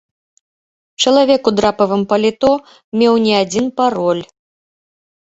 Чалавек у драпавым паліто меў не адзін пароль.